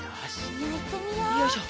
よいしょ。